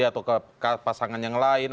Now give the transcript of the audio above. atau ke pasangan yang lain